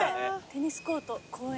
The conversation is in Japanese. テニスコート公園。